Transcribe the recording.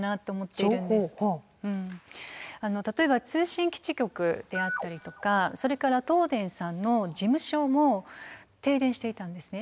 例えば通信基地局であったりとかそれから東電さんの事務所も停電していたんですね。